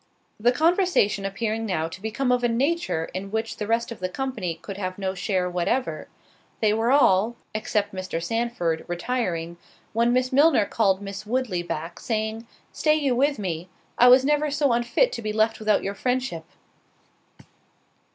The conversation appearing now to become of a nature in which the rest of the company could have no share whatever, they were all, except Mr. Sandford, retiring; when Miss Milner called Miss Woodley back, saying, "Stay you with me; I was never so unfit to be left without your friendship."